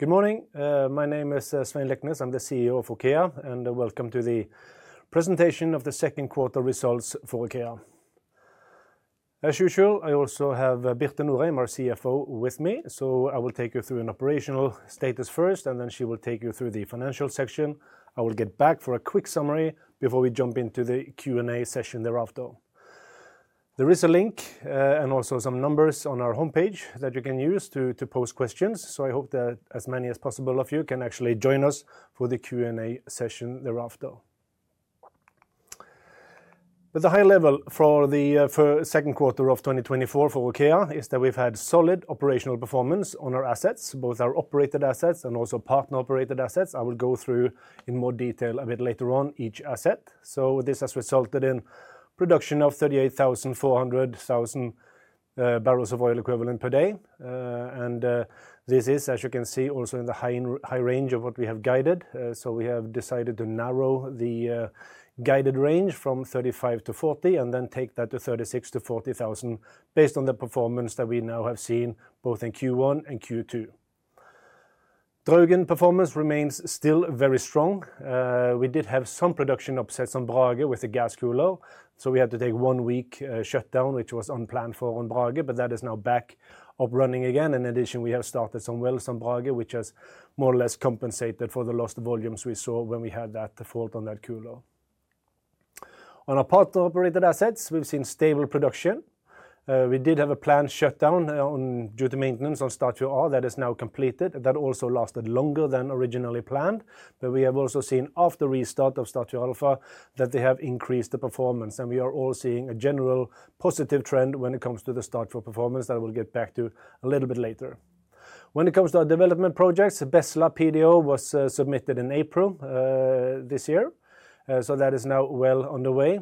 Good morning. My name is Svein Liknes. I'm the CEO of OKEA, and welcome to the presentation of the second quarter results for OKEA. As usual, I also have Birte Norheim, our CFO, with me. So I will take you through an operational status first, and then she will take you through the financial section. I will get back for a quick summary before we jump into the Q&A session thereafter. There is a link and also some numbers on our homepage that you can use to pose questions, so I hope that as many as possible of you can actually join us for the Q&A session thereafter. At the high level for the second quarter of 2024 for OKEA is that we've had solid operational performance on our assets, both our operated assets and also partner-operated assets. I will go through in more detail a bit later on each asset. So this has resulted in production of 38,400 barrels of oil equivalent per day. And this is, as you can see, also in the high, high range of what we have guided. So we have decided to narrow the guided range from 35-40 and then take that to 36-40 thousand, based on the performance that we now have seen both in Q1 and Q2. Draugen performance remains still very strong. We did have some production upsets on Brage with the gas cooler, so we had to take one week shutdown, which was unplanned for on Brage, but that is now back up running again. In addition, we have started some wells on Brage, which has more or less compensated for the lost volumes we saw when we had that fault on that cooler. On our partner-operated assets, we've seen stable production. We did have a planned shutdown due to maintenance on Statfjord that is now completed, that also lasted longer than originally planned. But we have also seen after restart of Statfjord Alpha, that they have increased the performance, and we are all seeing a general positive trend when it comes to the Statfjord performance that I will get back to a little bit later. When it comes to our development projects, the Bestla PDO was submitted in April this year. So that is now well underway.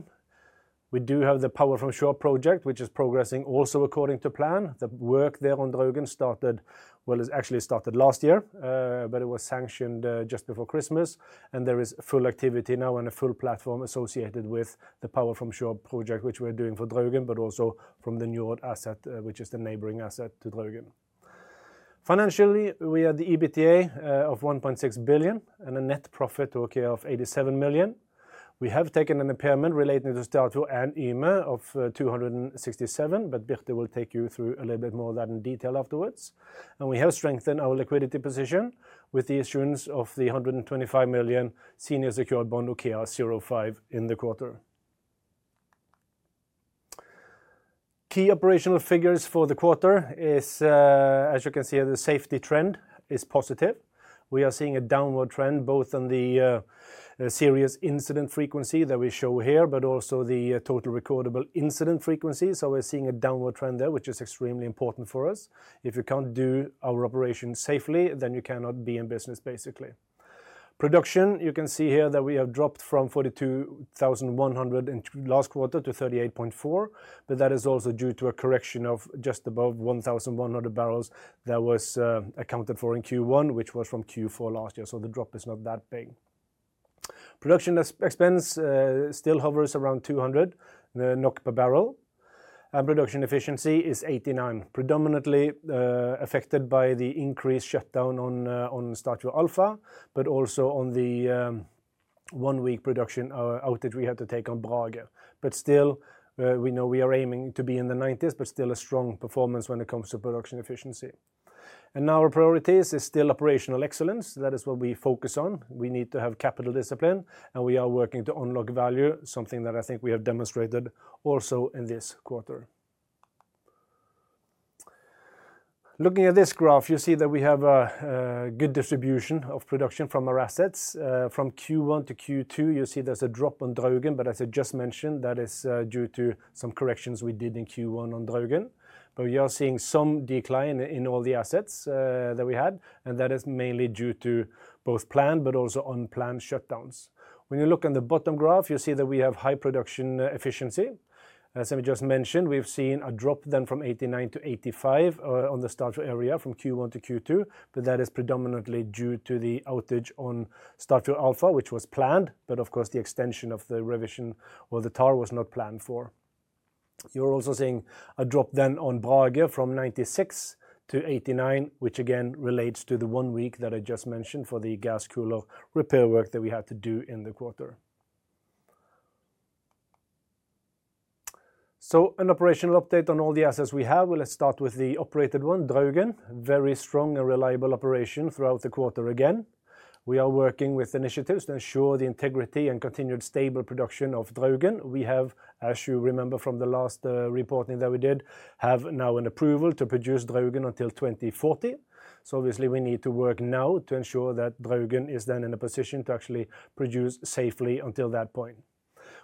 We do have the Power from Shore project, which is progressing also according to plan. The work there on Draugen started. Well, it actually started last year, but it was sanctioned just before Christmas, and there is full activity now and a full platform associated with the Power from Shore project, which we're doing for Draugen, but also from the Njord asset, which is the neighboring asset to Draugen. Financially, we had the EBITDA of 1.6 billion and a net profit, OKEA, of 87 million. We have taken an impairment relating to Statfjord and Yme of 267 million, but Birte will take you through a little bit more of that in detail afterwards. And we have strengthened our liquidity position with the issuance of the 125 million senior secured bond OKEA 05 in the quarter. Key operational figures for the quarter is, as you can see, the safety trend is positive. We are seeing a downward trend, both on the serious incident frequency that we show here, but also the total recordable incident frequency. So we're seeing a downward trend there, which is extremely important for us. If you can't do our operations safely, then you cannot be in business, basically. Production, you can see here that we have dropped from 42,100 in last quarter to 38.4, but that is also due to a correction of just above 1,100 barrels that was accounted for in Q1, which was from Q4 last year, so the drop is not that big. Production expense still hovers around 200 NOK per barrel, and production efficiency is 89%, predominantly affected by the increased shutdown on Statfjord Alpha, but also on the one-week production outage we had to take on Brage. But still, we know we are aiming to be in the 90s, but still a strong performance when it comes to production efficiency. And now our priorities is still operational excellence. That is what we focus on. We need to have capital discipline, and we are working to unlock value, something that I think we have demonstrated also in this quarter. Looking at this graph, you see that we have a good distribution of production from our assets. From Q1 to Q2, you see there's a drop on Draugen, but as I just mentioned, that is due to some corrections we did in Q1 on Draugen. But we are seeing some decline in all the assets that we had, and that is mainly due to both planned but also unplanned shutdowns. When you look on the bottom graph, you see that we have high production efficiency. As I just mentioned, we've seen a drop then from 89 to 85 on the Statfjord area, from Q1 to Q2, but that is predominantly due to the outage on Statfjord Alpha, which was planned, but of course, the extension of the revision, the tower was not planned for. You're also seeing a drop then on Brage from 96 to 89, which again relates to the one week that I just mentioned for the gas cooler repair work that we had to do in the quarter. So an operational update on all the assets we have. Well, let's start with the operated one, Draugen. Very strong and reliable operation throughout the quarter again. We are working with initiatives to ensure the integrity and continued stable production of Draugen. We have, as you remember from the last, reporting that we did, have now an approval to produce Draugen until 2040. So obviously we need to work now to ensure that Draugen is then in a position to actually produce safely until that point.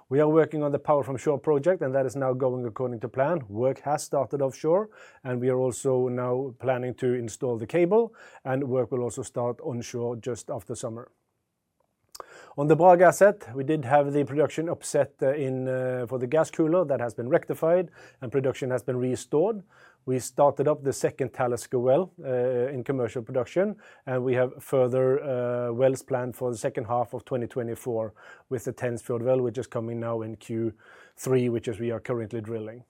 We are working on the Power from Shore project, and that is now going according to plan. Work has started offshore, and we are also now planning to install the cable, and work will also start onshore just after summer. On the Brage asset, we did have the production upset in for the gas cooler that has been rectified and production has been restored. We started up the second Talisker well in commercial production, and we have further wells planned for the second half of 2024 with the Fensfjord well, which is coming now in Q3, which we are currently drilling.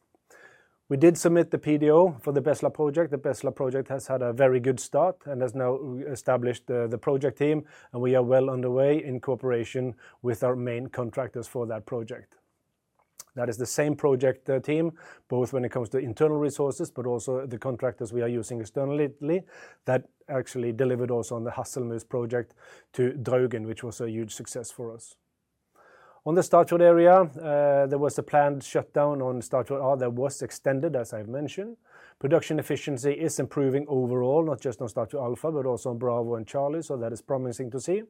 We did submit the PDO for the Bestla project. The Bestla project has had a very good start and has now established the project team, and we are well underway in cooperation with our main contractors for that project. That is the same project, team, both when it comes to internal resources, but also the contractors we are using externally, that actually delivered also on the Hasselmus project to Draugen, which was a huge success for us. On the Statfjord area, there was a planned shutdown on Statfjord A that was extended, as I've mentioned. Production efficiency is improving overall, not just on Statfjord Alpha, but also on Bravo and Charlie, so that is promising to see.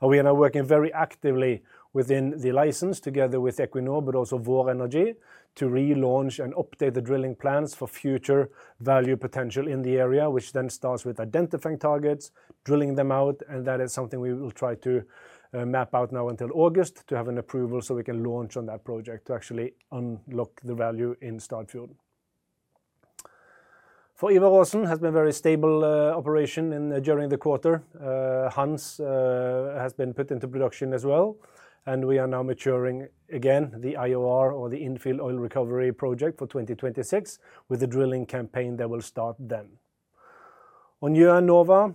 We are now working very actively within the license, together with Equinor, but also Vår Energi, to relaunch and update the drilling plans for future value potential in the area, which then starts with identifying targets, drilling them out, and that is something we will try to map out now until August to have an approval so we can launch on that project to actually unlock the value in Statfjord. For Ivar Aasen has been very stable operation during the quarter. Hanz has been put into production as well, and we are now maturing again the IOR or the Infill Oil Recovery project for 2026, with the drilling campaign that will start then. On Nova,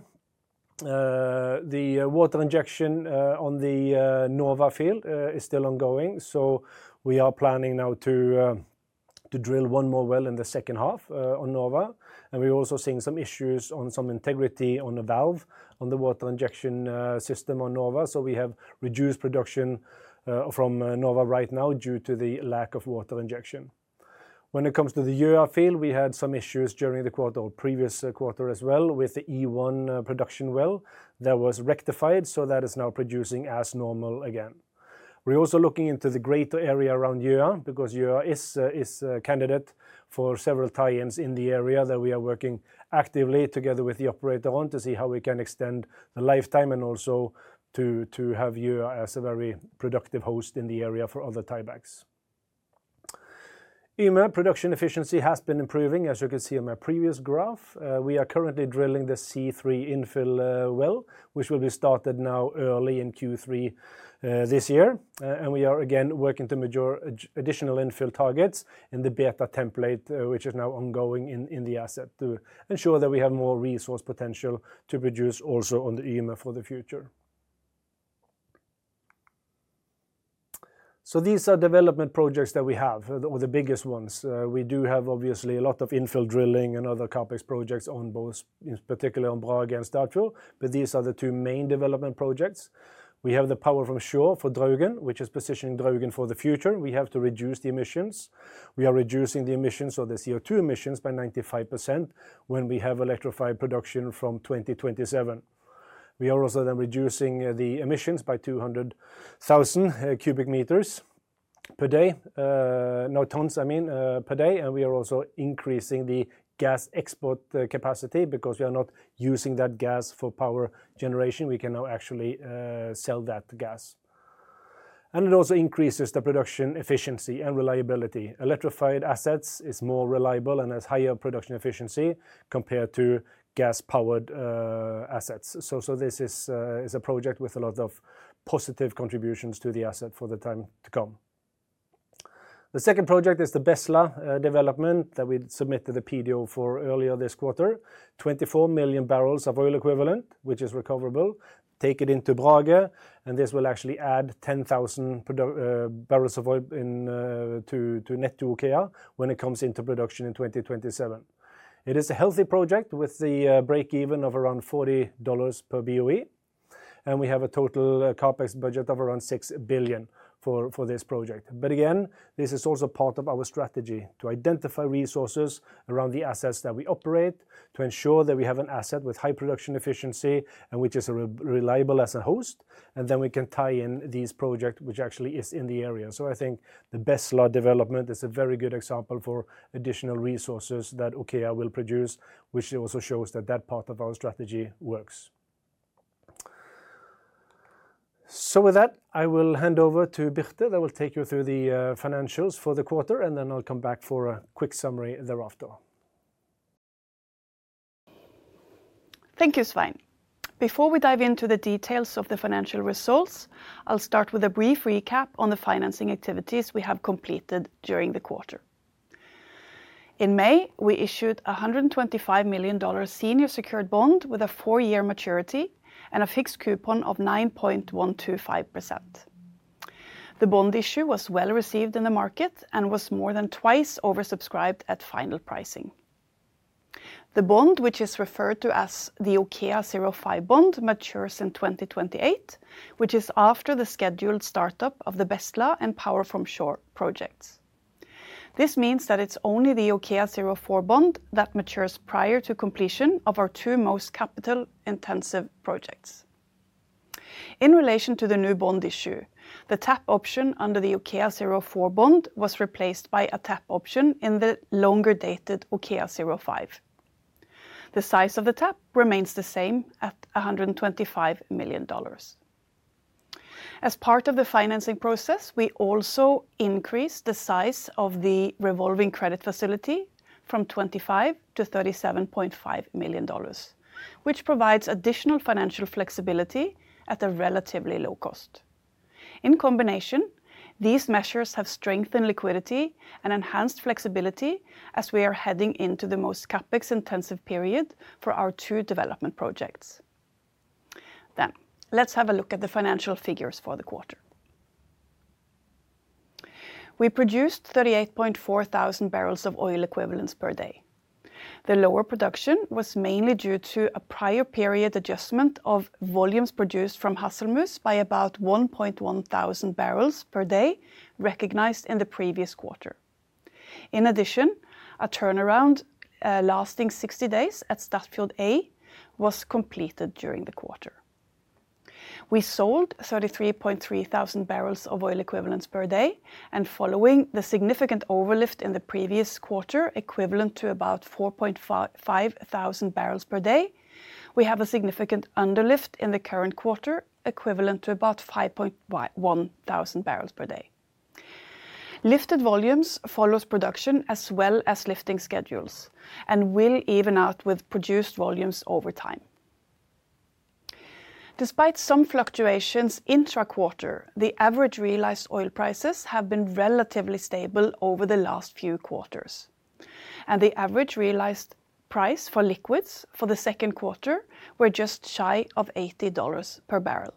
the water injection on the Nova field is still ongoing, so we are planning now to drill one more well in the second half on Nova. And we're also seeing some issues on some integrity on the valve, on the water injection system on Nova. So we have reduced production from Nova right now due to the lack of water injection. When it comes to the Ula field, we had some issues during the quarter or previous quarter as well with the E1 production well. That was rectified, so that is now producing as normal again. We're also looking into the greater area around Ula because Ula is a candidate for several tie-ins in the area that we are working actively together with the operator on, to see how we can extend the lifetime and also to have Ula as a very productive host in the area for other tiebacks. Yme, production efficiency has been improving, as you can see on my previous graph. We are currently drilling the C3 infill well, which will be started now early in Q3 this year. And we are again working to mature additional infill targets in the Beta template, which is now ongoing in the asset to ensure that we have more resource potential to produce also on the Yme for the future. So these are development projects that we have, or the biggest ones. We do have obviously a lot of infill drilling and other CapEx projects on both, particularly on Brage and Statfjord, but these are the two main development projects. We have the Power from Shore for Draugen, which is positioning Draugen for the future. We have to reduce the emissions. We are reducing the emissions, or the CO2 emissions, by 95% when we have electrified production from 2027. We are also then reducing the emissions by 200,000 cubic meters per day, no, tons, I mean, per day, and we are also increasing the gas export capacity because we are not using that gas for power generation. We can now actually sell that gas. And it also increases the production efficiency and reliability. Electrified assets is more reliable and has higher production efficiency compared to gas-powered assets. So, this is a project with a lot of positive contributions to the asset for the time to come. The second project is the Bestla development that we submitted the PDO for earlier this quarter. 24 million barrels of oil equivalent, which is recoverable, take it into Brage, and this will actually add 10,000 barrels of oil to net to OKEA when it comes into production in 2027. It is a healthy project with the break-even of around $40 per BOE, and we have a total CapEx budget of around $6 billion for this project. But again, this is also part of our strategy to identify resources around the assets that we operate, to ensure that we have an asset with high production efficiency and which is a reliable as a host, and then we can tie in these projects, which actually is in the area. So I think the Bestla development is a very good example for additional resources that OKEA will produce, which also shows that that part of our strategy works. So with that, I will hand over to Birte, that will take you through the financials for the quarter, and then I'll come back for a quick summary thereafter. Thank you, Svein. Before we dive into the details of the financial results, I'll start with a brief recap on the financing activities we have completed during the quarter. In May, we issued $125 million senior secured bond with a four-year maturity and a fixed coupon of 9.125%. The bond issue was well received in the market and was more than twice oversubscribed at final pricing. The bond, which is referred to as the OKEA zero five bond, matures in 2028, which is after the scheduled startup of the Bestla and Power from Shore projects. This means that it's only the OKEA zero four bond that matures prior to completion of our two most capital-intensive projects. In relation to the new bond issue, the tap option under the OKEA zero four bond was replaced by a tap option in the longer-dated OKEA zero five. The size of the tap remains the same at $125 million. As part of the financing process, we also increased the size of the revolving credit facility from $25 million to $37.5 million, which provides additional financial flexibility at a relatively low cost. In combination, these measures have strengthened liquidity and enhanced flexibility as we are heading into the most CapEx intensive period for our two development projects. Then, let's have a look at the financial figures for the quarter. We produced 38.4 thousand barrels of oil equivalents per day. The lower production was mainly due to a prior period adjustment of volumes produced from Hasselmus by about 1.1 thousand barrels per day, recognized in the previous quarter. In addition, a turnaround lasting 60 days at Statfjord A was completed during the quarter. We sold 33.3 thousand barrels of oil equivalents per day, and following the significant overlift in the previous quarter, equivalent to about 4.55 thousand barrels per day, we have a significant underlift in the current quarter, equivalent to about 5.11 thousand barrels per day. Lifted volumes follows production as well as lifting schedules, and will even out with produced volumes over time. Despite some fluctuations intra-quarter, the average realized oil prices have been relatively stable over the last few quarters, and the average realized price for liquids for the second quarter were just shy of $80 per barrel.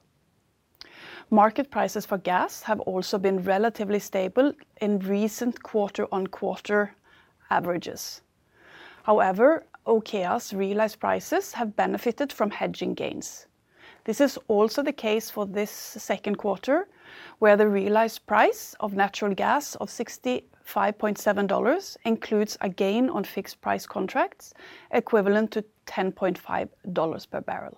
Market prices for gas have also been relatively stable in recent quarter-on-quarter averages. However, OKEA's realized prices have benefited from hedging gains. This is also the case for this second quarter, where the realized price of natural gas of $65.7 includes a gain on fixed price contracts equivalent to $10.5 per barrel.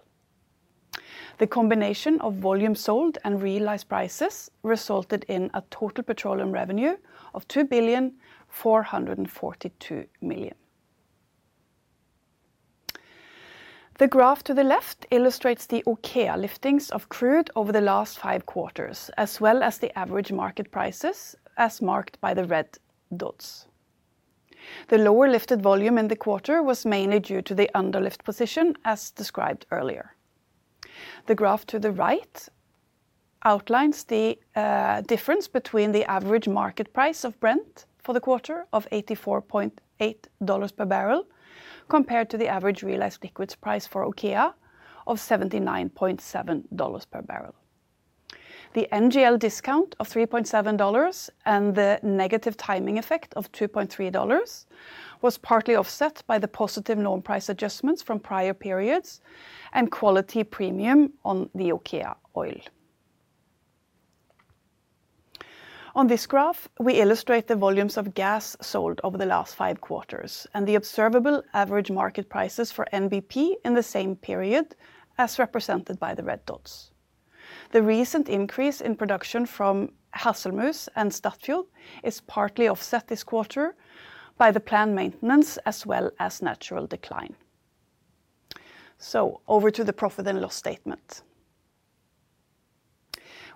The combination of volume sold and realized prices resulted in a total petroleum revenue of 2,442 million. The graph to the left illustrates the OKEA liftings of crude over the last five quarters, as well as the average market prices, as marked by the red dots. The lower lifted volume in the quarter was mainly due to the underlift position, as described earlier. The graph to the right outlines the difference between the average market price of Brent for the quarter of $84.8 per barrel, compared to the average realized liquids price for OKEA of $79.7 per barrel. The NGL discount of $3.7 and the negative timing effect of $2.3 was partly offset by the positive non-price adjustments from prior periods and quality premium on the OKEA oil. On this graph, we illustrate the volumes of gas sold over the last five quarters, and the observable average market prices for NBP in the same period, as represented by the red dots. The recent increase in production from Hasselmus and Statfjord is partly offset this quarter by the planned maintenance as well as natural decline. So over to the profit and loss statement.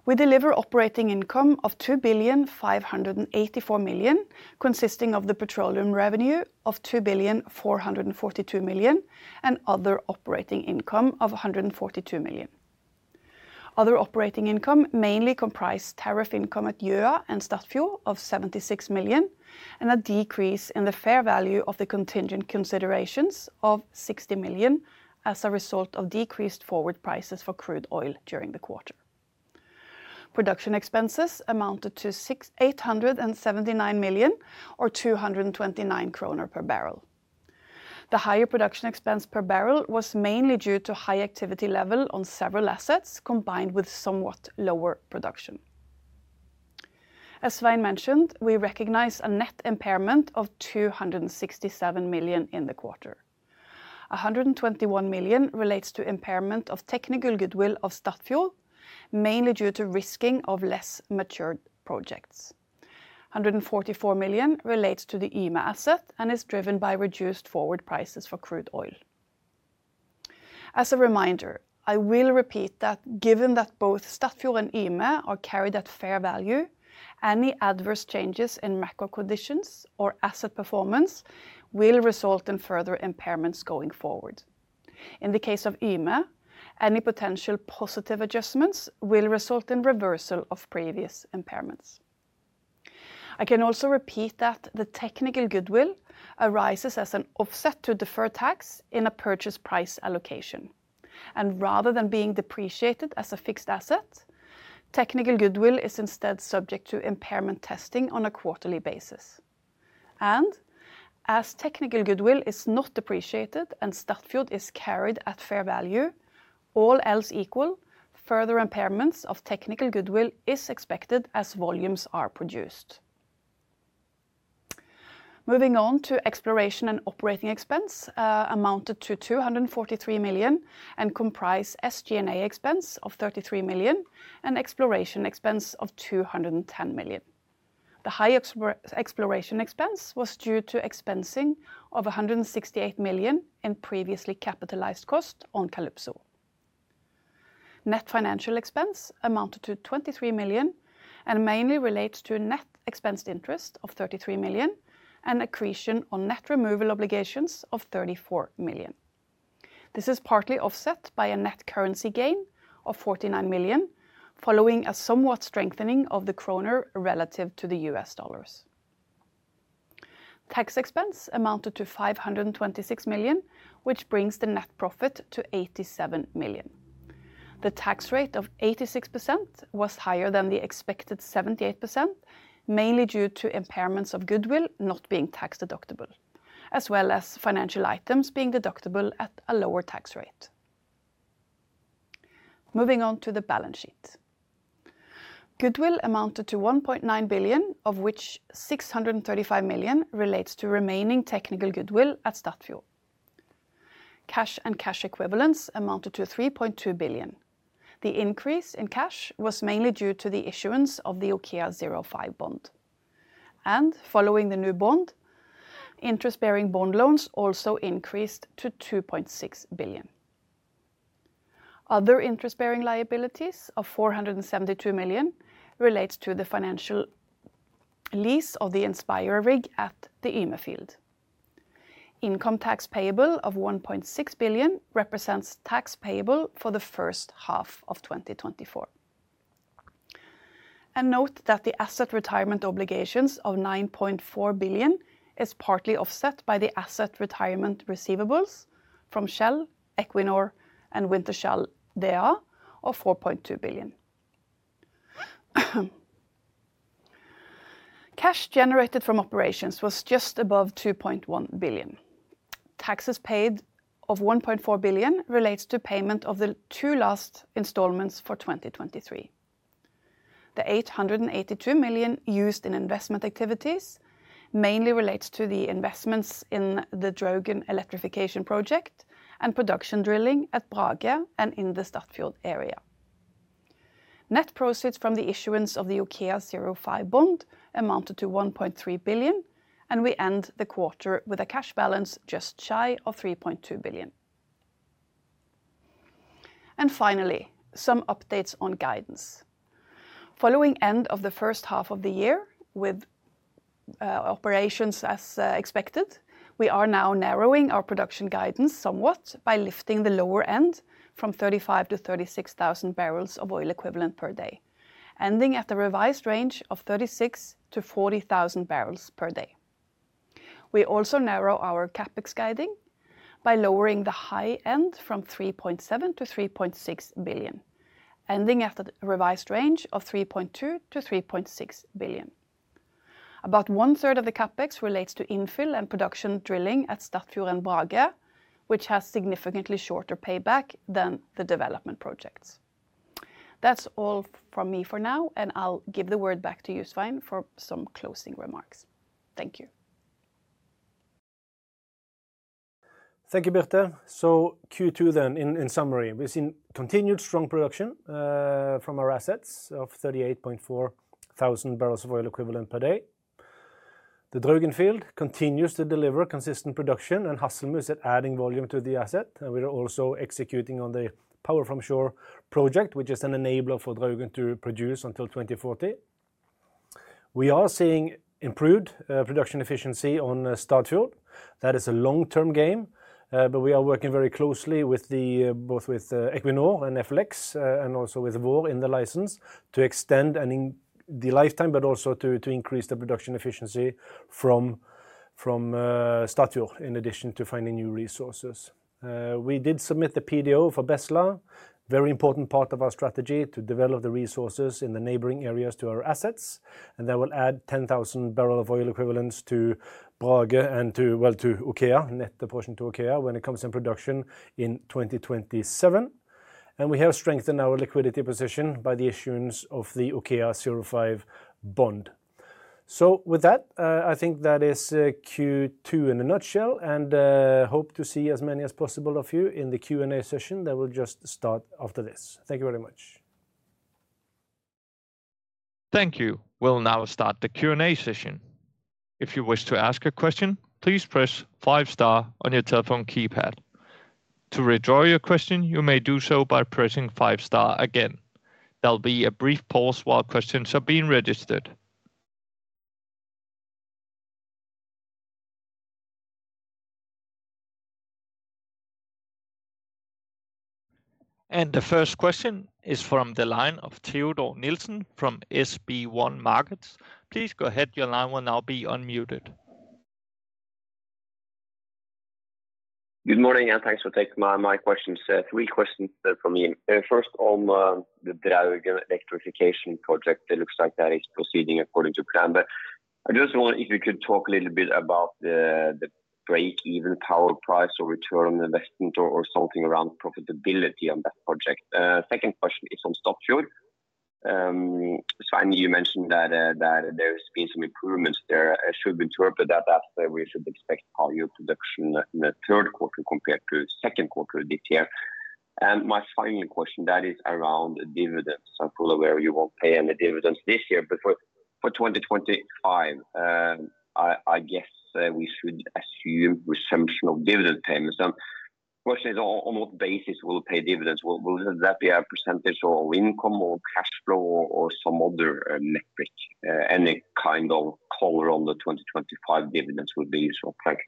We deliver operating income of 2,584 million, consisting of the petroleum revenue of 2,442 million, and other operating income of 142 million. Other operating income mainly comprised tariff income at Gjøa and Statfjord of 76 million, and a decrease in the fair value of the contingent considerations of 60 million as a result of decreased forward prices for crude oil during the quarter. Production expenses amounted to 689 million, or 229 kroner per barrel. The higher production expense per barrel was mainly due to high activity level on several assets, combined with somewhat lower production. As Svein mentioned, we recognize a net impairment of 267 million in the quarter. A hundred and twenty-one million relates to impairment of technical goodwill of Statfjord, mainly due to risking of less mature projects. 144 million relates to the Yme asset, and is driven by reduced forward prices for crude oil. As a reminder, I will repeat that given that both Statfjord and Yme are carried at fair value, any adverse changes in macro conditions or asset performance will result in further impairments going forward. In the case of Yme, any potential positive adjustments will result in reversal of previous impairments. I can also repeat that the technical goodwill arises as an offset to deferred tax in a purchase price allocation. And rather than being depreciated as a fixed asset, technical goodwill is instead subject to impairment testing on a quarterly basis. As technical goodwill is not depreciated and Statfjord is carried at fair value, all else equal, further impairments of technical goodwill is expected as volumes are produced. Moving on to exploration and operating expense, amounted to 243 million, and comprise SG&A expense of 33 million, and exploration expense of 210 million. The high exploration expense was due to expensing of 168 million in previously capitalized cost on Calypso. Net financial expense amounted to 23 million, and mainly relates to net expensed interest of 33 million, and accretion on net removal obligations of 34 million. This is partly offset by a net currency gain of 49 million, following a somewhat strengthening of the kroner relative to the U.S. dollars. Tax expense amounted to 526 million, which brings the net profit to 87 million. The tax rate of 86% was higher than the expected 78%, mainly due to impairments of goodwill not being tax-deductible, as well as financial items being deductible at a lower tax rate. Moving on to the balance sheet. Goodwill amounted to 1.9 billion, of which 635 million relates to remaining technical goodwill at Statfjord. Cash and cash equivalents amounted to 3.2 billion. The increase in cash was mainly due to the issuance of the OKEA zero five bond, and following the new bond, interest-bearing bond loans also increased to 2.6 billion. Other interest-bearing liabilities of 472 million relates to the financial lease of the Inspirer rig at the Yme field. Income tax payable of 1.6 billion represents tax payable for the first half of 2024. Note that the asset retirement obligations of 9.4 billion is partly offset by the asset retirement receivables from Shell, Equinor, and Wintershall DEA of 4.2 billion. Cash generated from operations was just above 2.1 billion. Taxes paid of 1.4 billion relates to payment of the two last installments for 2023. The 882 million used in investment activities mainly relates to the investments in the Draugen Electrification Project and production drilling at Brage and in the Statfjord area. Net proceeds from the issuance of the OKEA zero five bond amounted to 1.3 billion, and we end the quarter with a cash balance just shy of 3.2 billion. Finally, some updates on guidance. Following end of the first half of the year, with operations as expected, we are now narrowing our production guidance somewhat by lifting the lower end from 35,000 to 36,000 barrels of oil equivalent per day, ending at the revised range of 36,000-40,000 barrels per day. We also narrow our CapEx guiding by lowering the high end from 3.7 billion to 3.6 billion, ending at the revised range of 3.2 billion-3.6 billion. About one third of the CapEx relates to infill and production drilling at Statfjord and Brage, which has significantly shorter payback than the development projects. That's all from me for now, and I'll give the word back to Svein for some closing remarks. Thank you. Thank you, Birte. So Q2 then, in summary, we've seen continued strong production from our assets of 38.4 thousand barrels of oil equivalent per day. The Draugen field continues to deliver consistent production, and Hasselmus is adding volume to the asset, and we're also executing on the Power from Shore project, which is an enabler for Draugen to produce until 2040. We are seeing improved production efficiency on Statfjord. That is a long-term game, but we are working very closely with both Equinor and FLX and also with Worley in the license, to extend the lifetime, but also to increase the production efficiency from Statfjord, in addition to finding new resources. We did submit the PDO for Bestla, very important part of our strategy to develop the resources in the neighboring areas to our assets, and that will add 10,000 barrel of oil equivalents to Brage and to, well, to OKEA, net the portion to OKEA when it comes in production in 2027. We have strengthened our liquidity position by the issuance of the OKEA zero five bond. So with that, I think that is Q2 in a nutshell, and hope to see as many as possible of you in the Q&A session that will just start after this. Thank you very much. Thank you. We'll now start the Q&A session. If you wish to ask a question, please press five star on your telephone keypad. To withdraw your question, you may do so by pressing five star again. There'll be a brief pause while questions are being registered. The first question is from the line of Teodor Nilsen from SB1 Markets. Please go ahead. Your line will now be unmuted. Good morning, and thanks for taking my questions. Three questions from me. First, on the Draugen from Shore project, it looks like that is proceeding according to plan. But I just wonder if you could talk a little bit about the break-even power price or return on investment or something around profitability on that project. Second question is on Statfjord. So I know you mentioned that there's been some improvements there. I should interpret that we should expect higher production in the third quarter compared to second quarter this year. And my final question, that is around dividends. I'm fully aware you won't pay any dividends this year, but for 2025, I guess we should assume resumption of dividend payments. Then question is, on what basis will pay dividends? Will, will that be a percentage or income or cash flow or some other metric? Any kind of color on the 2025 dividends would be useful. Thanks.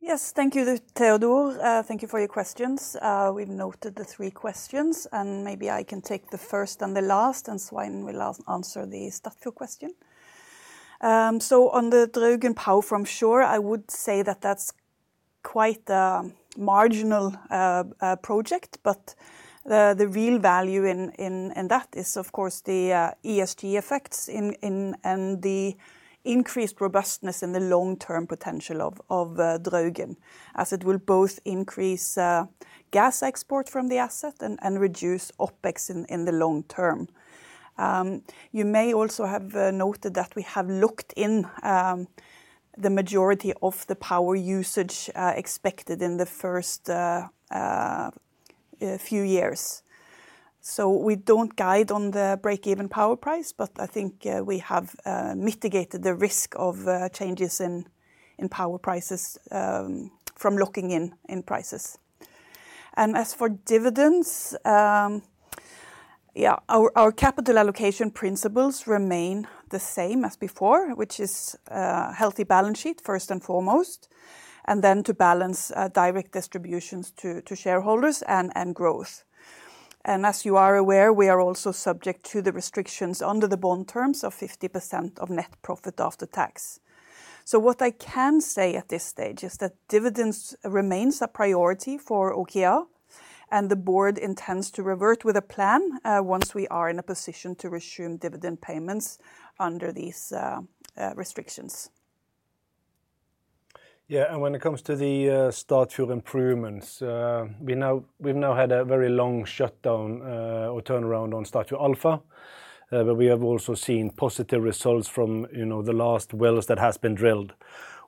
Yes, thank you, Theodor. Thank you for your questions. We've noted the three questions, and maybe I can take the first and the last, and Svein will answer the Statfjord question. So on the Draugen power from shore, I would say that that's quite a marginal project, but the real value in that is, of course, the ESG effects in and the increased robustness in the long-term potential of Draugen, as it will both increase gas export from the asset and reduce OpEx in the long term. You may also have noted that we have locked in the majority of the power usage expected in the first few years. So we don't guide on the break-even power price, but I think we have mitigated the risk of changes in power prices from locking in prices. And as for dividends, yeah, our capital allocation principles remain the same as before, which is healthy balance sheet, first and foremost, and then to balance direct distributions to shareholders and growth. And as you are aware, we are also subject to the restrictions under the bond terms of 50% of net profit after tax. So what I can say at this stage is that dividends remains a priority for OKEA, and the board intends to revert with a plan once we are in a position to resume dividend payments under these restrictions. Yeah, and when it comes to the Statfjord improvements, we've now had a very long shutdown or turnaround on Statfjord Alpha, but we have also seen positive results from, you know, the last wells that has been drilled.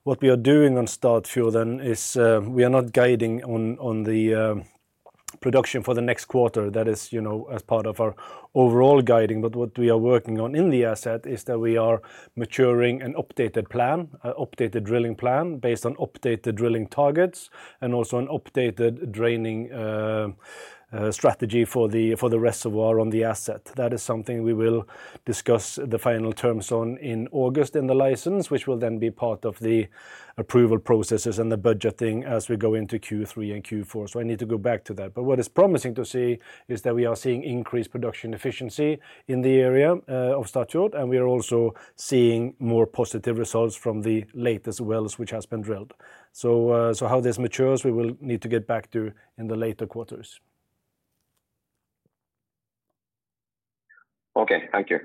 What we are doing on Statfjord then is we are not guiding on the production for the next quarter. That is, you know, as part of our overall guiding. But what we are working on in the asset is that we are maturing an updated plan, an updated drilling plan, based on updated drilling targets and also an updated draining strategy for the reservoir on the asset. That is something we will discuss the final terms on in August in the license, which will then be part of the approval processes and the budgeting as we go into Q3 and Q4. So I need to go back to that. But what is promising to see is that we are seeing increased production efficiency in the area, of Statfjord, and we are also seeing more positive results from the latest wells which has been drilled. So, so how this matures, we will need to get back to in the later quarters. Okay. Thank you.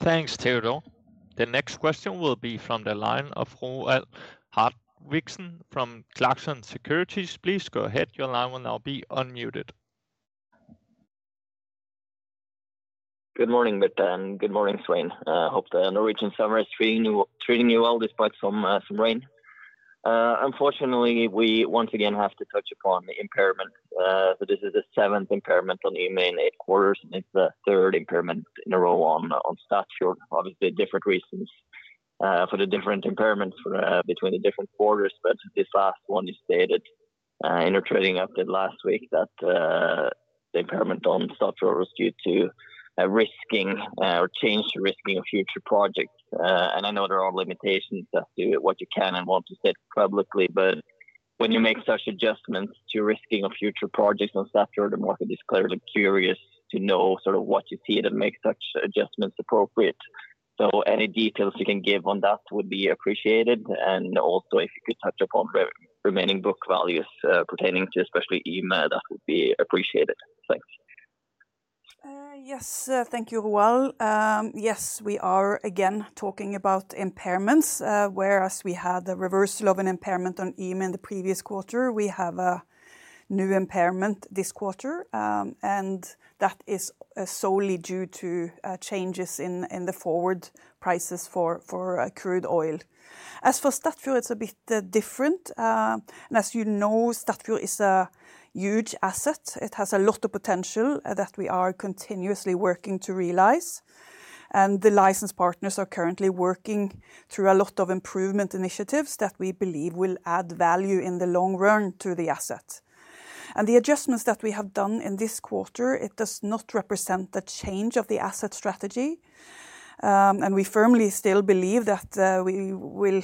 Thanks, Teodor. The next question will be from the line of Roald Hartvigsen from Clarkson Securities. Please go ahead. Your line will now be unmuted. Good morning, Birte, and good morning, Svein. Hope the Norwegian summer is treating you, treating you well, despite some rain. Unfortunately, we once again have to touch upon the impairment. So this is the seventh impairment on the Yme eight quarters, and it's the third impairment in a row on Statfjord. Obviously, different reasons for the different impairments between the different quarters, but this last one, you stated in a trading update last week that the impairment on Statfjord was due to a risking or change to risking of future projects. And I know there are limitations as to what you can and want to say publicly, but when you make such adjustments to risking of future projects on Statfjord, the market is clearly curious to know sort of what you see that make such adjustments appropriate. So any details you can give on that would be appreciated, and also if you could touch upon the remaining book values, pertaining to especially Yme, that would be appreciated. Thanks. Yes, thank you, Roald. Yes, we are again talking about impairments. Whereas we had the reversal of an impairment on Yme in the previous quarter, we have a new impairment this quarter. And that is solely due to changes in the forward prices for crude oil. As for Statfjord, it's a bit different. And as you know, Statfjord is a huge asset. It has a lot of potential that we are continuously working to realize, and the license partners are currently working through a lot of improvement initiatives that we believe will add value in the long run to the asset. And the adjustments that we have done in this quarter, it does not represent the change of the asset strategy, and we firmly still believe that we will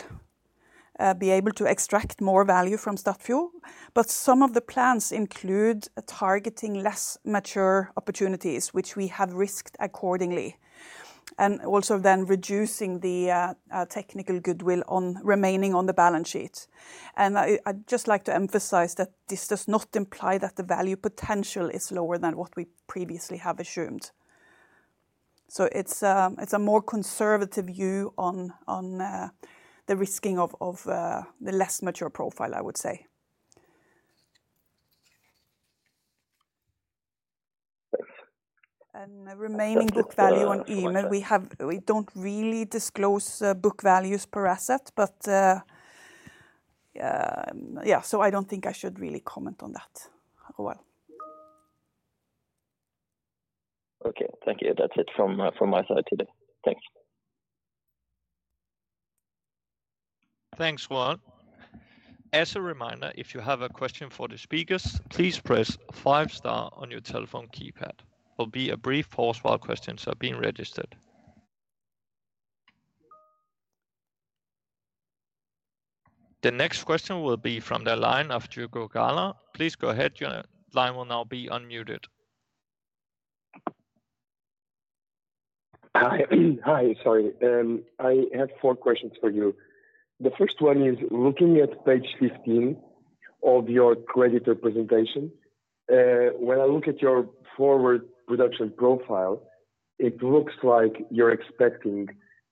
be able to extract more value from Statfjord. But some of the plans include targeting less mature opportunities, which we have risked accordingly, and also then reducing the technical goodwill on remaining on the balance sheet. And I'd just like to emphasize that this does not imply that the value potential is lower than what we previously have assumed. So it's a more conservative view on the risking of the less mature profile, I would say. Thanks. The remaining book value on Yme. One second. We don't really disclose book values per asset, but yeah, so I don't think I should really comment on that, Roald. Okay. Thank you. That's it from my side today. Thanks. Thanks, Roald. As a reminder, if you have a question for the speakers, please press five star on your telephone keypad. There'll be a brief pause while questions are being registered. The next question will be from the line of Diogo Galler. Please go ahead, your line will now be unmuted. Hi. Hi, sorry, I have four questions for you. The first one is, looking at page 15 of your creditor presentation, when I look at your forward production profile, it looks like you're expecting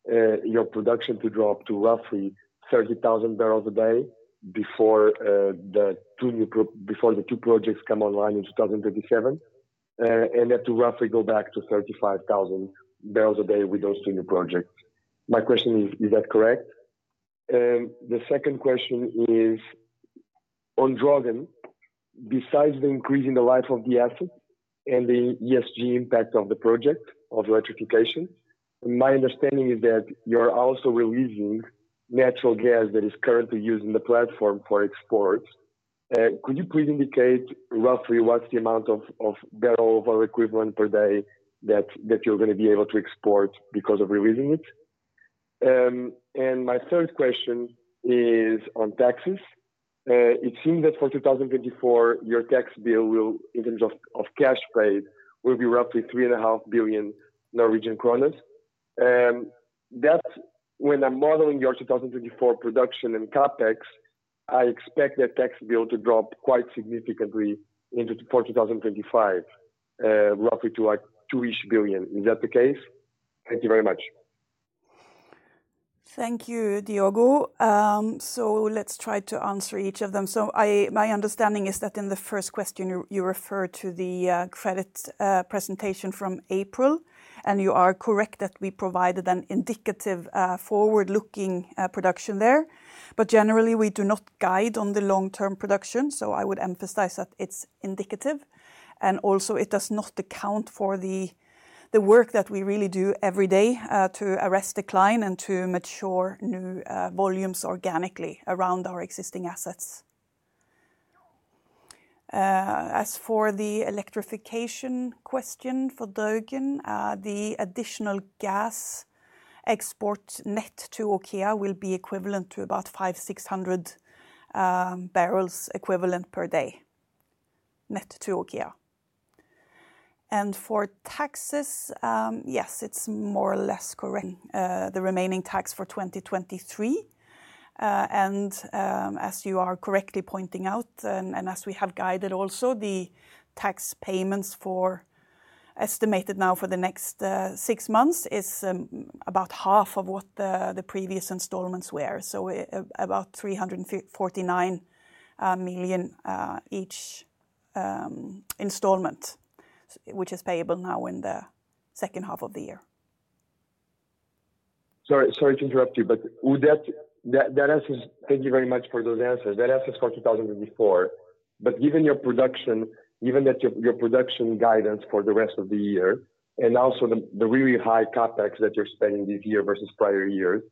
your production to drop to roughly 30,000 barrels a day before the two new projects come online in 2037. And then to roughly go back to 35,000 barrels a day with those two new projects. My question is, is that correct? The second question is on Draugen. Besides the increase in the life of the asset and the ESG impact of the project, of electrification, my understanding is that you're also releasing natural gas that is currently used in the platform for export. Could you please indicate roughly what's the amount of barrel of oil equivalent per day that you're gonna be able to export because of releasing it? And my third question is on taxes. It seems that for 2024, your tax bill will, in terms of cash paid, be roughly 3.5 billion Norwegian kroner. That's when I'm modeling your 2024 production and CapEx, I expect that tax bill to drop quite significantly into for 2025, roughly to, like, 2 billion. Is that the case? Thank you very much. Thank you, Diogo. So let's try to answer each of them. So my understanding is that in the first question, you refer to the credit presentation from April, and you are correct that we provided an indicative forward-looking production there. But generally, we do not guide on the long-term production, so I would emphasize that it's indicative, and also it does not account for the work that we really do every day to arrest decline and to mature new volumes organically around our existing assets. As for the electrification question for Draugen, the additional gas export net to OKEA will be equivalent to about 500-600 barrels equivalent per day, net to OKEA. And for taxes, yes, it's more or less correct, the remaining tax for 2023. As you are correctly pointing out, and as we have guided also, the tax payments, estimated now for the next six months, is about half of what the previous installments were. So about 349 million each installment, which is payable now in the second half of the year. Sorry to interrupt you, but would that... That answers. Thank you very much for those answers. That answers for 2024. But given your production guidance for the rest of the year, and also the really high CapEx that you're spending this year versus prior years,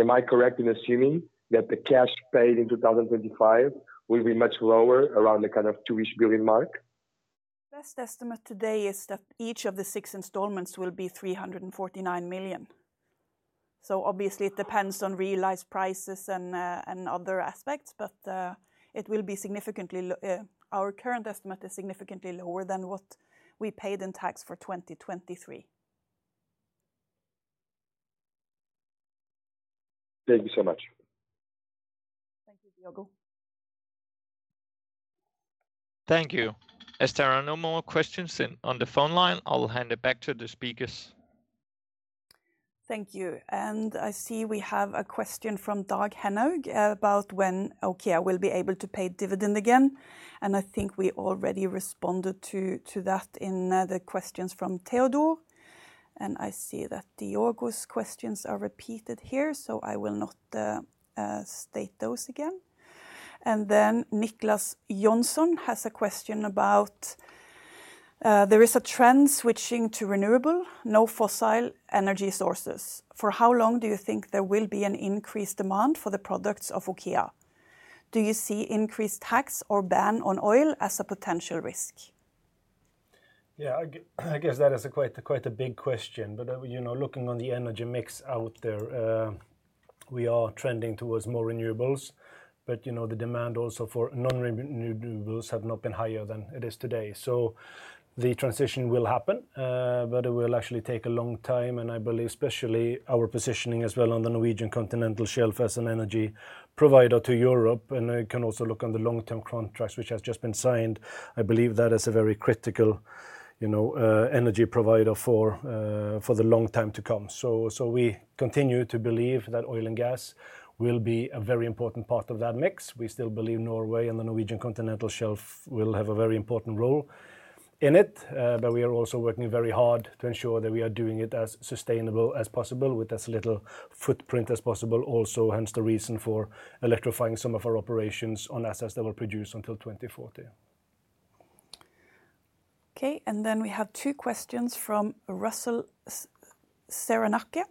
am I correct in assuming that the cash paid in 2025 will be much lower, around the kind of 2-ish billion mark? Best estimate today is that each of the six installments will be 349 million. So obviously, it depends on realized prices and, and other aspects, but, it will be significantly lower, our current estimate is significantly lower than what we paid in tax for 2023. Thank you so much. Thank you, Diogo. Thank you. As there are no more questions on the phone line, I will hand it back to the speakers. Thank you, and I see we have a question from Dag Henaug about when OKEA will be able to pay dividend again, and I think we already responded to that in the questions from Teodor. And I see that Diogo's questions are repeated here, so I will not state those again. And then Niklas Jonsson has a question about: There is a trend switching to renewable, no fossil energy sources. For how long do you think there will be an increased demand for the products of OKEA? Do you see increased tax or ban on oil as a potential risk? Yeah, I guess that is a quite, quite a big question. But, you know, looking on the energy mix out there, we are trending towards more renewables. But, you know, the demand also for non-renewables have not been higher than it is today. So the transition will happen, but it will actually take a long time, and I believe, especially our positioning as well on the Norwegian Continental Shelf as an energy provider to Europe, and you can also look on the long-term contracts, which has just been signed. I believe that is a very critical, you know, energy provider for, for the long time to come. So, so we continue to believe that oil and gas will be a very important part of that mix. We still believe Norway and the Norwegian continental shelf will have a very important role in it, but we are also working very hard to ensure that we are doing it as sustainable as possible with as little footprint as possible also, hence the reason for electrifying some of our operations on assets that will produce until 2040. Okay, and then we have two questions from Russell Searancke.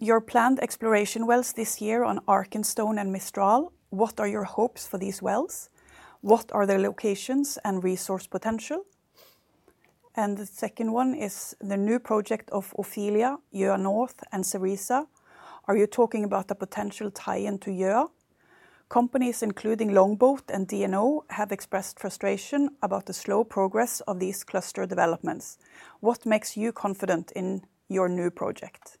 Your planned exploration wells this year on Arkenstone and Mistral, what are your hopes for these wells? What are their locations and resource potential? And the second one is the new project of Ofelia, Gjøa North, and Cerisa, are you talking about the potential tie-in to Gjøa? Companies including Longboat and DNO have expressed frustration about the slow progress of these cluster developments. What makes you confident in your new project?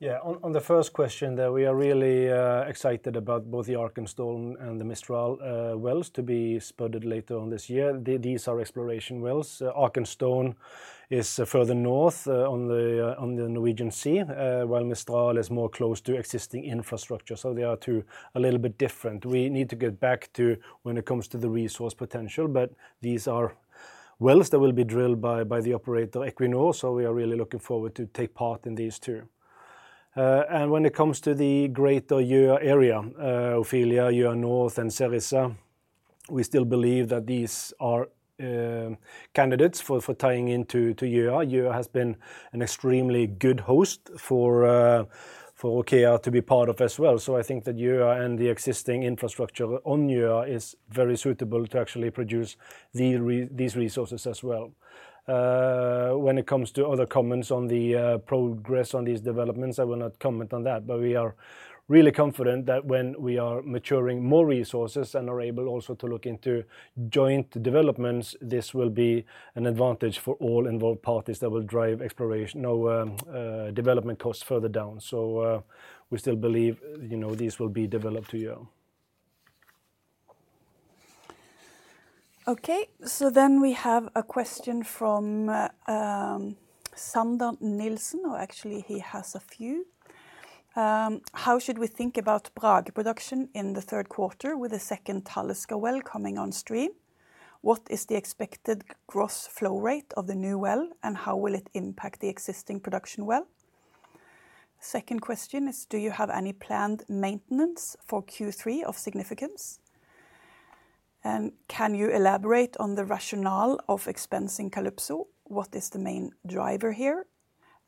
Yeah, on the first question there, we are really excited about both the Arkenstone and the Mistral wells to be spotted later on this year. These are exploration wells. Arkenstone is further north, on the Norwegian Sea, while Mistral is more close to existing infrastructure, so they are two a little bit different. We need to get back to when it comes to the resource potential, but these are wells that will be drilled by the operator, Equinor, so we are really looking forward to take part in these two. And when it comes to the greater Gjøa area, Ophelia, Gjøa North, and Cerisa, we still believe that these are candidates for tying into to Gjøa. Gjøa has been an extremely good host for OKEA to be part of as well. So I think that Yo and the existing infrastructure on Yo is very suitable to actually produce these resources as well. When it comes to other comments on the progress on these developments, I will not comment on that. But we are really confident that when we are maturing more resources and are able also to look into joint developments, this will be an advantage for all involved parties that will drive exploration. No, development costs further down. So, we still believe, you know, these will be developed to Yo. Okay, so then we have a question from Sander Nielsen, or actually he has a few. How should we think about Brage production in the third quarter with a second Talisker well coming on stream? What is the expected gross flow rate of the new well, and how will it impact the existing production well? Second question is, do you have any planned maintenance for Q3 of significance? And can you elaborate on the rationale of expensing Calypso? What is the main driver here?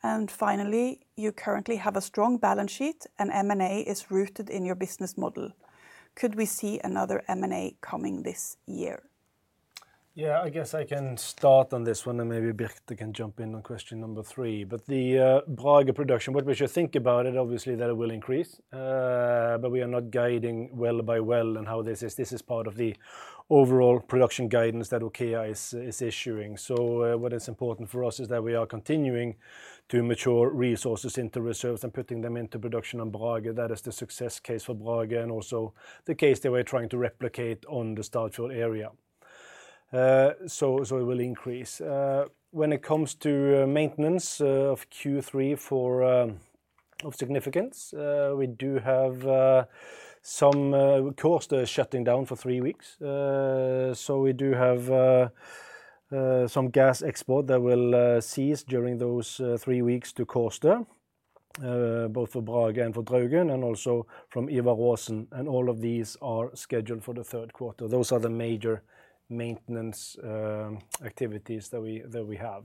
And finally, you currently have a strong balance sheet, and M&A is rooted in your business model. Could we see another M&A coming this year? Yeah, I guess I can start on this one, and maybe Birte can jump in on question number 3. But the Brage production, what we should think about it, obviously, that it will increase. But we are not guiding well by well and how this is, this is part of the overall production guidance that OKEA is, is issuing. So, what is important for us is that we are continuing to mature resources into reserves and putting them into production on Brage. That is the success case for Brage and also the case that we're trying to replicate on the Statfjord area. So, so it will increase. When it comes to maintenance of Q3 for of significance, we do have some. Kårstø is shutting down for three weeks. So we do have some gas export that will cease during those three weeks to Kårstø, both for Brage and for Draugen, and also from Ivar Aasen, and all of these are scheduled for the third quarter. Those are the major maintenance activities that we have.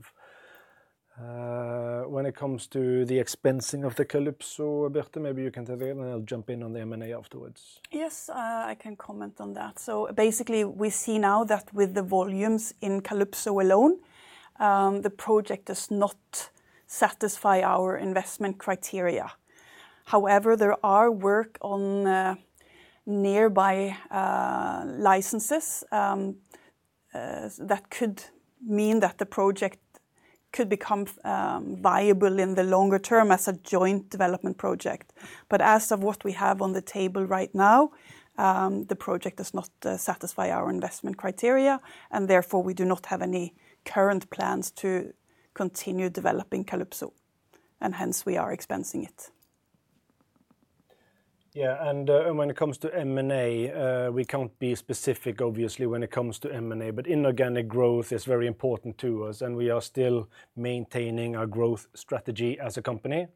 When it comes to the expensing of the Calypso, Birte, maybe you can take it, and I'll jump in on the M&A afterwards. Yes, I can comment on that. So basically, we see now that with the volumes in Calypso alone, the project does not satisfy our investment criteria. However, there are work on nearby licenses that could mean that the project could become viable in the longer term as a joint development project. But as of what we have on the table right now, the project does not satisfy our investment criteria, and therefore, we do not have any current plans to continue developing Calypso, and hence we are expensing it. Yeah, and, when it comes to M&A, we can't be specific, obviously, when it comes to M&A, but inorganic growth is very important to us, and we are still maintaining our growth strategy as a company.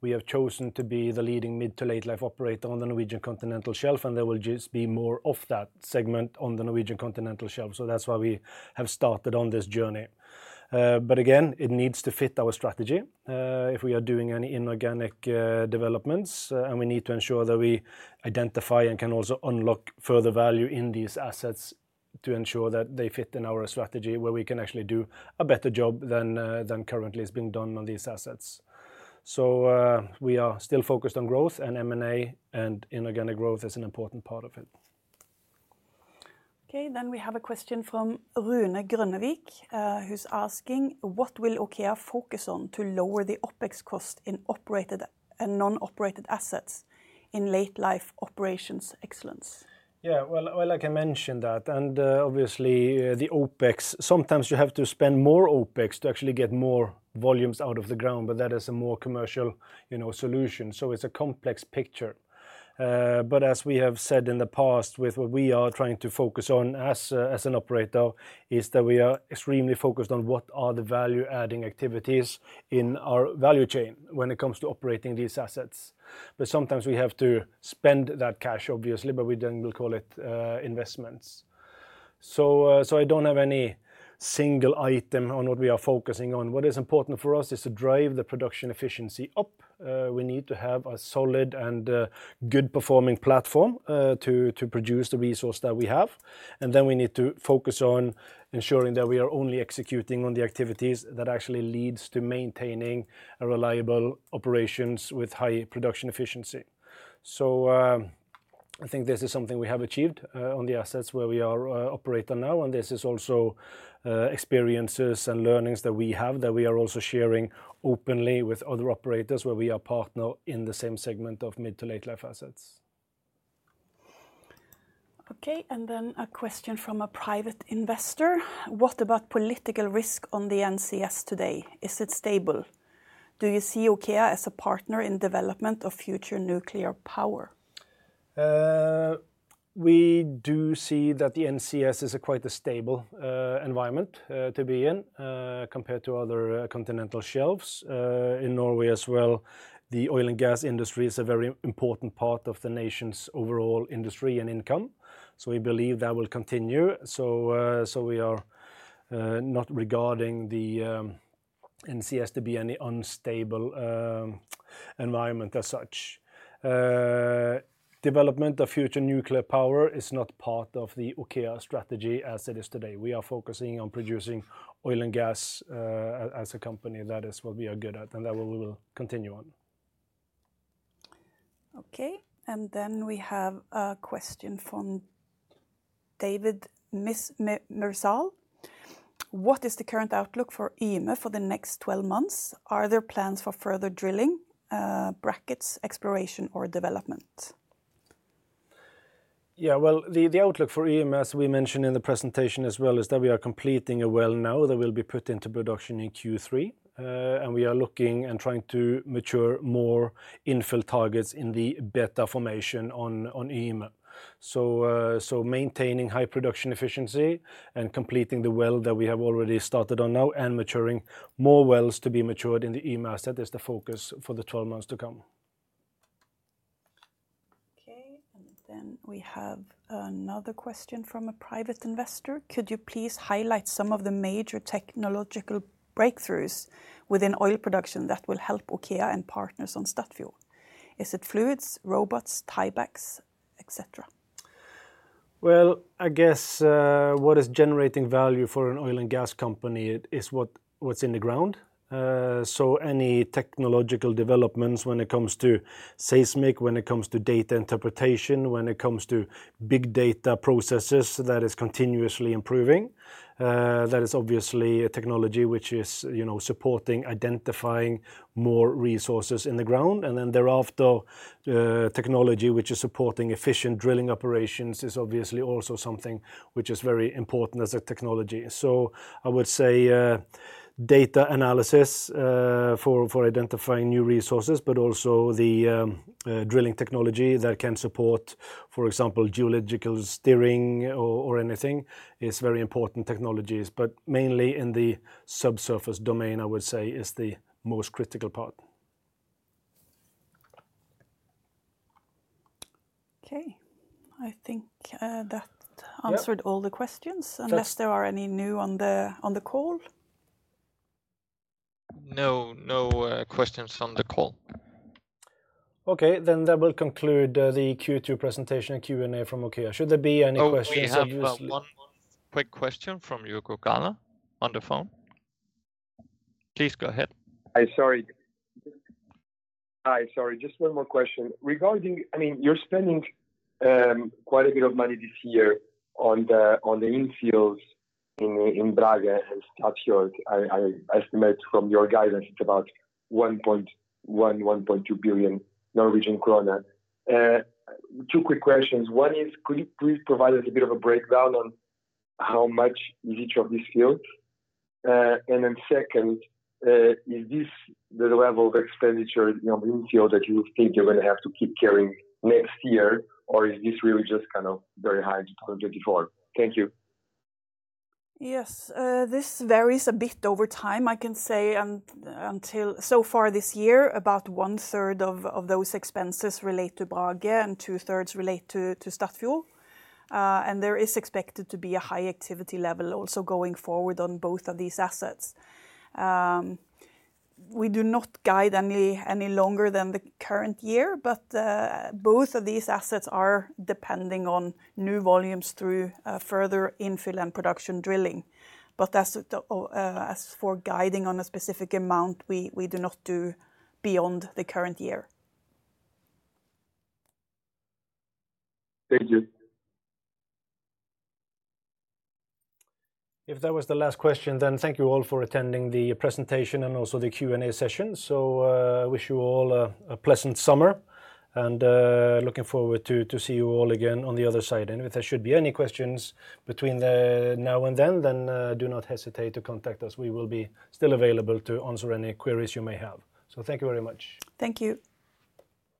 We have chosen to be the leading mid to late life operator on the Norwegian continental shelf, and there will just be more of that segment on the Norwegian continental shelf, so that's why we have started on this journey. But again, it needs to fit our strategy, if we are doing any inorganic developments, and we need to ensure that we identify and can also unlock further value in these assets to ensure that they fit in our strategy, where we can actually do a better job than currently is being done on these assets. We are still focused on growth and M&A, and inorganic growth is an important part of it. Okay, then we have a question from Rune Grønnevik, who's asking: What will OKEA focus on to lower the OpEx cost in operated and non-operated assets in late life operations excellence? Yeah, well, I can mention that, and, obviously, the OpEx, sometimes you have to spend more OpEx to actually get more volumes out of the ground, but that is a more commercial, you know, solution, so it's a complex picture. But as we have said in the past with what we are trying to focus on as an operator, is that we are extremely focused on what are the value-adding activities in our value chain when it comes to operating these assets. But sometimes we have to spend that cash, obviously, but we then will call it investments. So, I don't have any single item on what we are focusing on. What is important for us is to drive the production efficiency up. We need to have a solid and good performing platform to produce the resource that we have. And then we need to focus on ensuring that we are only executing on the activities that actually leads to maintaining a reliable operations with high production efficiency. So, I think this is something we have achieved on the assets where we are operator now, and this is also experiences and learnings that we have, that we are also sharing openly with other operators where we are partner in the same segment of mid to late life assets. Okay, and then a question from a private investor: What about political risk on the NCS today? Is it stable? Do you see OKEA as a partner in development of future nuclear power? We do see that the NCS is a quite stable environment to be in compared to other continental shelves. In Norway as well, the oil and gas industry is a very important part of the nation's overall industry and income, so we believe that will continue. So we are not regarding the NCS to be any unstable environment as such. Development of future nuclear power is not part of the OKEA strategy as it is today. We are focusing on producing oil and gas as a company. That is what we are good at and that we will continue on. Okay, and then we have a question from David Mursell. What is the current outlook for Yme for the next 12 months? Are there plans for further drilling, brackets, exploration or development? Yeah, well, the outlook for Yme, as we mentioned in the presentation as well, is that we are completing a well now that will be put into production in Q3. And we are looking and trying to mature more infill targets in the better formation on Yme. So, maintaining high production efficiency and completing the well that we have already started on now, and maturing more wells to be matured in the Yme asset is the focus for the 12 months to come. Okay, and then we have another question from a private investor. Could you please highlight some of the major technological breakthroughs within oil production that will help OKEA and partners on Statfjord? Is it fluids, robots, tiebacks, et cetera? Well, I guess, what is generating value for an oil and gas company is what, what's in the ground. So any technological developments when it comes to seismic, when it comes to data interpretation, when it comes to big data processes, that is continuously improving. That is obviously a technology which is, you know, supporting, identifying more resources in the ground. And then thereafter, technology, which is supporting efficient drilling operations, is obviously also something which is very important as a technology. So I would say, data analysis, for identifying new resources, but also the drilling technology that can support, for example, geological steering or anything, is very important technologies. But mainly in the subsurface domain, I would say, is the most critical part. Okay. I think, Yeah Answered all the questions. Yes Unless there are any new on the call. No, no, questions on the call. Okay, then that will conclude the Q2 presentation and Q&A from OKEA. Should there be any questions, obviously. Oh, we have one quick question from Diogo Galler on the phone. Please go ahead. Hi, sorry. Hi, sorry, just one more question. Regarding, I mean, you're spending quite a bit of money this year on the infills in Brage and Statfjord. I estimate from your guidance it's about 1.1 billion-1.2 billion Norwegian krone. Two quick questions. One is, could you please provide us a bit of a breakdown on how much in each of these fields? And then second, is this the level of expenditure, you know, in infill, that you think you're gonna have to keep carrying next year, or is this really just kind of very high 2024? Thank you. Yes, this varies a bit over time. I can say until, so far this year, about one third of those expenses relate to Brage and two thirds relate to Statfjord. There is expected to be a high activity level also going forward on both of these assets. We do not guide any longer than the current year, but both of these assets are depending on new volumes through further infill and production drilling. But as for guiding on a specific amount, we do not do beyond the current year. Thank you. If that was the last question, then thank you all for attending the presentation and also the Q&A session. So, wish you all a pleasant summer and, looking forward to see you all again on the other side. And if there should be any questions between the now and then, then, do not hesitate to contact us. We will be still available to answer any queries you may have. So thank you very much. Thank you.